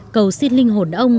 cầu xin linh hồn ông